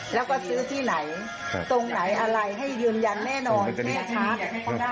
แล้วก็ซื้อที่ไหนตรงไหนอะไรให้ยืนยันแน่นอนแม่ค้า